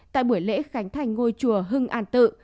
tại buổi lễ khánh thành ngôi chùa hưng an tự